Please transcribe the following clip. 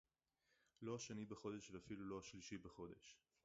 לא השני בחודש ואפילו לא השלישי בחודש